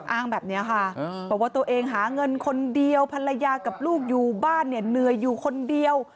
อ้างแบบนี้ค่ะบอกว่าตัวเองหาเงินคนเดียวภรรยากับลูกอยู่บ้านเนี่ยเหนื่อยอยู่คนเดียว